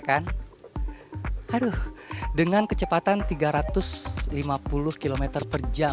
kan aduh dengan kecepatan tiga ratus lima puluh km per jam kalau dipikir pikir ngebut sekali tetapi emang sudah